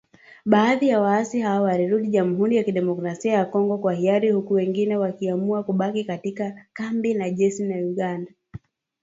Baadhi ya waasi hao walirudi Jamhuri ya kidemokrasia ya Kongo kwa hiari huku wengine wakiamua kubaki katika kambi la jeshi la Uganda